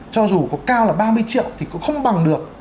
cho dù có cao là ba mươi triệu thì cũng không bằng được